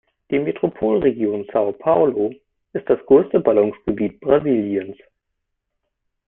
Die Metropolregion São Paulo ist das größte Ballungsgebiet Brasiliens.